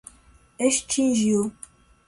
extinguiu